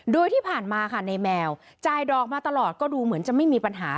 โดยที่ผ่านมาค่ะในแมวจ่ายดอกมาตลอดก็ดูเหมือนจะไม่มีปัญหา